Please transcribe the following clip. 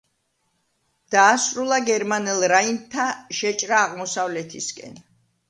დაასრულა გერმანელ რაინდთა შეჭრა აღმოსავლეთისკენ.